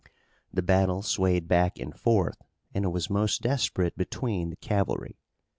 The battle swayed back and forth, and it was most desperate between the cavalry.